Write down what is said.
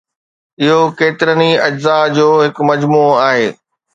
اهو ڪيترن ئي اجزاء جو هڪ مجموعو آهي.